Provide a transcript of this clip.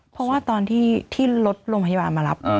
เพราะว่าตอนที่รถโรงพยาบาลมารับ